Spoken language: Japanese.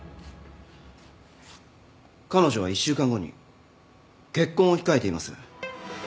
彼女は１週間後に結婚を控えています。